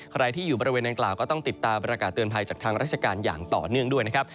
ใครที่อยู่บริเวณดังกล่าวก็ต้องติดตามประกาศเตือนภัยจากทางราชการอย่างต่อเนื่องด้วยนะครับ